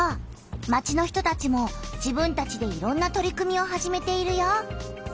町の人たちも自分たちでいろんな取り組みを始めているよ！